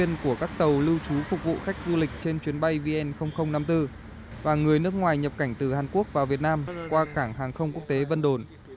người này đi cùng chuyến bay vn năm mươi bốn và người nước ngoài nhập cảnh từ hàn quốc vào việt nam qua cảng hàng không quốc tế vân đồn